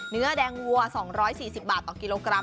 เนื้อแดงวัว๒๔๐บาทต่อกิโลกรัม